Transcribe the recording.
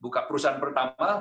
buka perusahaan pertama